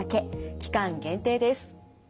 期間限定です。